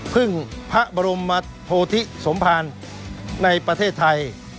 พึ่งพระบรมโพธิสมภารในประเทศไทย